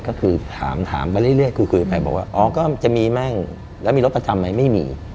ก็คือถามไปเรื่อยคุยไปบอกว่าอ๋อก็จะมีมั่งแล้วมีรถประจำไหมไม่มี